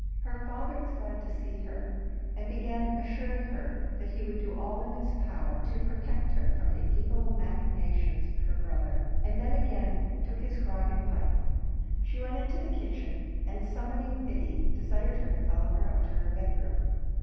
Her father was glad to see her, and began assuring her that he would do all in his power to protect her from the evil machinations of her brother, and then again took his grog and his pipe. She went into the kitchen, and summoning Biddy, desired her to follow her up to her bedroom.